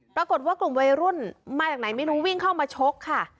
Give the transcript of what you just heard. ปรากฏว่ากลุ่มวัยรุ่นมาจากไหนไม่รู้วิ่งเข้ามาชกค่ะ